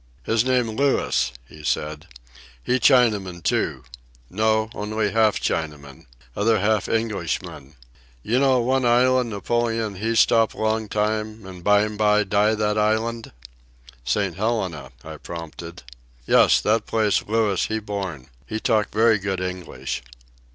"His name Louis," he said. "He Chinaman, too. No; only half Chinaman. Other half Englishman. You know one island Napoleon he stop long time and bime by die that island?" "St. Helena," I prompted. "Yes, that place Louis he born. He talk very good English."